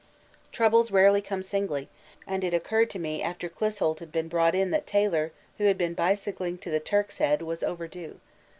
Troubles rarely come singly, and it occurred to me after Clissold had been brought in that Taylor, who had been bicycling to the Turk's Head, was overdue.